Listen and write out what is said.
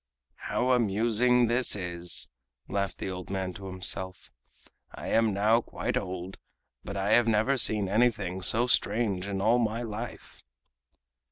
"How amusing this is!" laughed the old man to himself "I am now quite old, but I have never seen anything so strange in all my life."